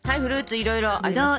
いろいろありますね。